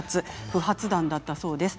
不発弾だったそうです。